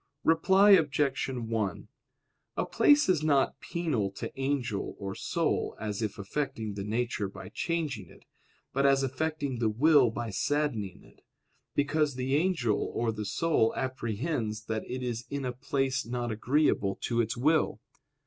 Reply Obj. 1: A place is not penal to angel or soul as if affecting the nature by changing it, but as affecting the will by saddening it: because the angel or the soul apprehends that it is in a place not agreeable to its will.